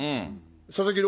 佐々木朗